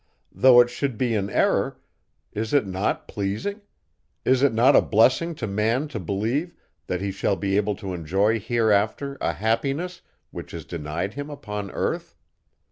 Though it should be an error, is it not pleasing? Is it not a blessing to man to believe, that he shall be able to enjoy hereafter a happiness, which is denied him upon earth?"